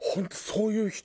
そういう人？